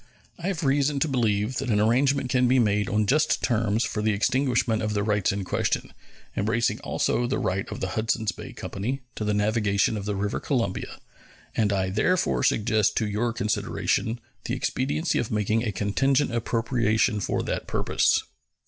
I have reason to believe that an arrangement can be made on just terms for the extinguishment of the rights in question, embracing also the right of the Hudsons Bay Company to the navigation of the river Columbia; and I therefore suggest to your consideration the expediency of making a contingent appropriation for that purpose.